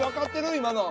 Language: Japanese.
今の。